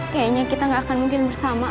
kayaknya kita nggak akan mungkin bersama ah